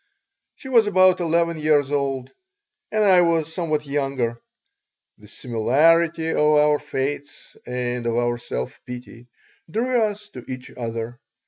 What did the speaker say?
She was about eleven years old and I was somewhat younger. The similarity of our fates and of our self pity drew us to each other.